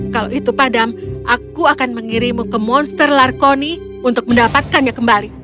kalau itu padam aku akan mengirimmu ke monster larkoni untuk mendapatkannya kembali